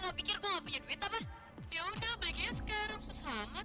ngopi ngopi ya udah belinya sekarang susah banget